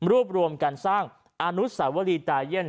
รวบรวมกันสร้างอานุสาวรีตาเยี่ยน